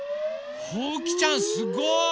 ほうきちゃんすごい！